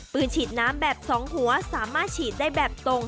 ฉีดน้ำแบบ๒หัวสามารถฉีดได้แบบตรง